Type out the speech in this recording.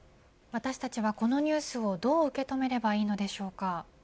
私たちはこのニュースをどう受け止めればいいのでしょうか。